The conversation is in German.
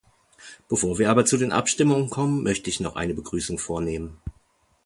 Bevor wir aber zu den Abstimmungen kommen, möchte ich noch eine Begrüßung vornehmen.